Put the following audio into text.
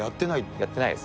やってないです。